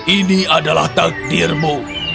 ini adalah takdirmu